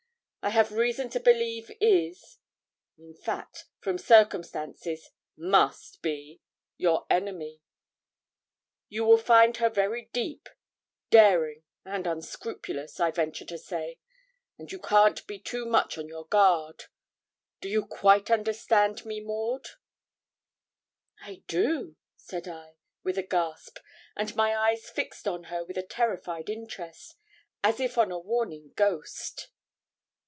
I have reason to believe is in fact, from circumstances, must be your enemy; you will find her very deep, daring, and unscrupulous, I venture to say, and you can't be too much on your guard. Do you quite understand me, Maud?' 'I do,' said I, with a gasp, and my eyes fixed on her with a terrified interest, as if on a warning ghost.